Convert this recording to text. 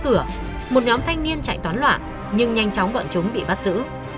khi cảnh sát phá cửa một nhóm thanh niên chạy toán loạn nhưng nhanh chóng bọn chúng bị bắt giữ